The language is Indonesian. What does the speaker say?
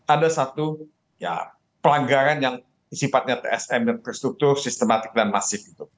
ada satu pelanggaran yang sifatnya tsm dan terstruktur sistematik dan masif gitu